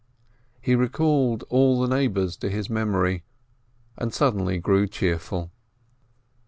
He recalled all the neighbors to his mem ory, and suddenly grew cheerful.